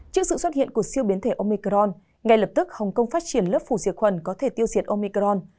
trước sự xuất hiện của siêu biến thể omicron ngay lập tức hồng kông phát triển lớp phủ diệt khuẩn có thể tiêu diệt omicron